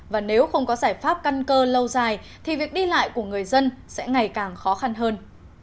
và nếu không có giải pháp căn cơ lâu dài thì việc đi lại của người dân sẽ ngày càng khó khăn hơn